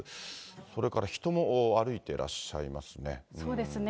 それから人も歩いてらっしゃいまそうですね。